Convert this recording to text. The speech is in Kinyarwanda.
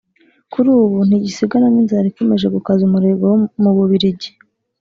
kuri ubu ntigisigana n’inzara ikomeje gukaza umurego mu Bubiligi